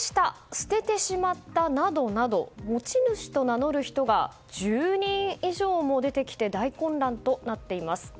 捨ててしまったなどなど持ち主と名乗る人が１０人以上も出てきて大混乱となっています。